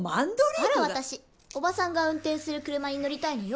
あら私おばさんが運転する車に乗りたいのよ。